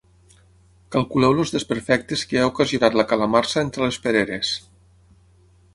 Calculeu els desperfectes que ha ocasionat la calamarsa entre les pereres.